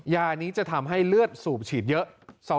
ยานี้จะทำให้เลือดสูบฉีดเยอะ